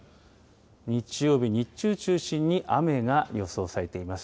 日曜日、日中中心に雨が予想されています。